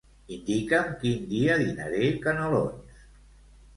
Indica'm quin dia dinaré canelons.